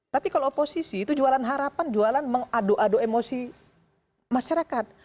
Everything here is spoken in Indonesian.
tapi kalau oposisi itu jualan harapan jualan mengadu adu emosi masyarakat